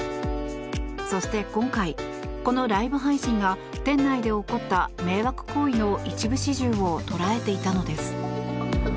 そして、今回このライブ配信が店内で起こった迷惑行為の一部始終を捉えていたのです。